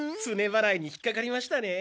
ばらいに引っかかりましたね？